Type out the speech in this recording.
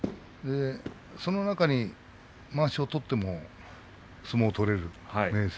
その中にまわしを取っても相撲を取れる明生。